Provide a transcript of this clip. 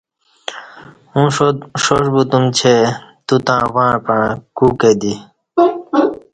اوں ݜاݜ بوتُم چہ توتݩع وݩع پݩع کوکہ دی